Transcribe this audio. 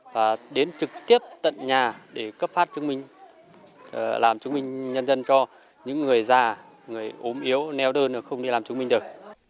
và đến trực tiếp tận nhà để cấp phát chứng minh làm chứng minh nhân dân cho những người già người ốm yếu neo đơn không đi làm chứng minh được